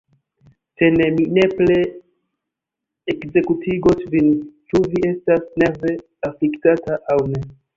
Se ne, mi nepre ekzekutigos vin, ĉu vi estas nerve afliktata, aŭ ne.